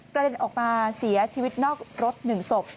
เด็นออกมาเสียชีวิตนอกรถ๑ศพ